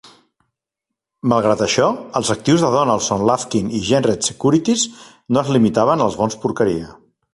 Malgrat això, els actius de Donaldson, Lufkin i Jenrette Securities, no es limitaven als bons porqueria.